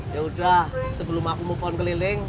yaudah sebelum aku mau pon keliling